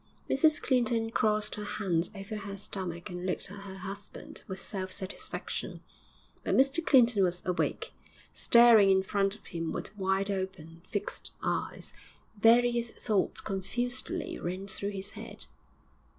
Mrs Clinton crossed her hands over her stomach and looked at her husband with self satisfaction. But Mr Clinton was awake, staring in front of him with wide open, fixed eyes; various thoughts confusedly ran through his head.